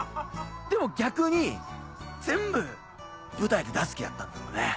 でも逆に全部舞台で出す気だったんだろうね。